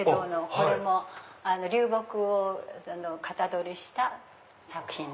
これも流木をかたどりした作品。